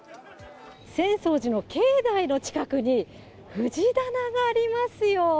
浅草寺の境内の近くに藤棚がありますよ。